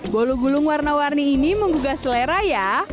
bolu gulung warna warni ini menggugah selera ya